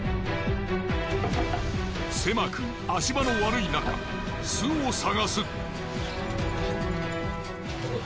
狭く足場の悪いなか巣を探す。